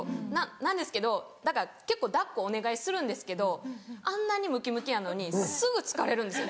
なんですけどだから結構抱っこお願いするんですけどあんなにムキムキやのにすぐ疲れるんですよ。